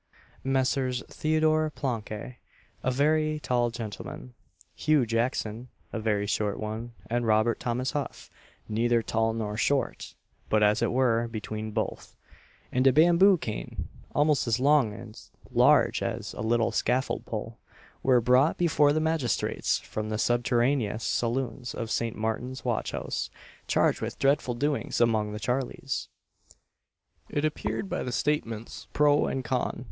Messrs. Theodore Planque (a very tall gentleman), Hugh Jackson (a very short one), and Robert Thomas Huff (neither tall nor short, but, as it were, between both), and a bamboo cane, almost as long and large as a little scaffold pole, were brought before the magistrates from the subterraneous saloons of St. Martin's watch house, charged with dreadful doings among the Charleys. It appeared by the statements pro and _con.